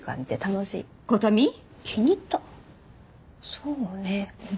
そうね。